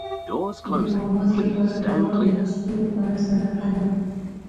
د آواز لپاره دعا او د لاسونو لپاره صدقه ده.